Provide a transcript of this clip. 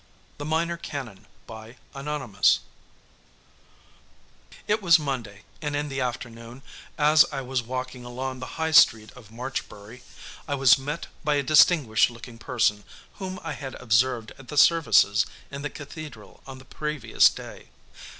The Minor Canon It was Monday, and in the afternoon, as I was walking along the High Street of Marchbury, I was met by a distinguished looking person whom I had observed at the services in the cathedral on the previous day.